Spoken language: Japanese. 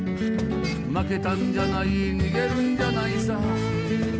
「負けたんじゃない逃げるんじゃないさ」